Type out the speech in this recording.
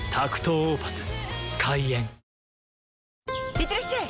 いってらっしゃい！